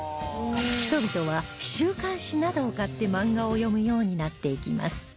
人々は週刊誌などを買って漫画を読むようになっていきます